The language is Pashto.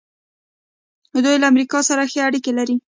دوی له امریکا سره ښې اړیکې لري.